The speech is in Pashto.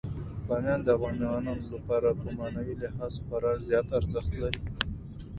بامیان د افغانانو لپاره په معنوي لحاظ خورا زیات ارزښت لري.